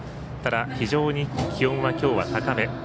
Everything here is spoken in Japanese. ただ、非常に気温はきょうは高め。